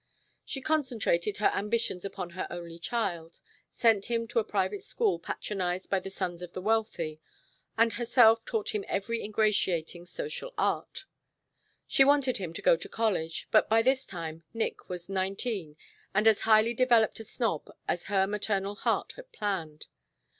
She concentrated her ambitions upon her only child; sent him to a private school patronized by the sons of the wealthy, and herself taught him every ingratiating social art. She wanted him to go to college, but by this time "Nick" was nineteen and as highly developed a snob as her maternal heart had planned.